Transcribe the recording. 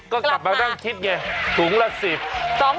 ก็กลับมาก็กลับมาตั้งคิดไงถุงละ๑๐